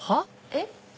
えっ？